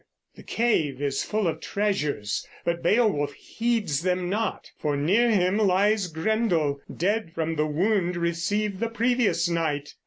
The cave is full of treasures; but Beowulf heeds them not, for near him lies Grendel, dead from the wound received the previous night.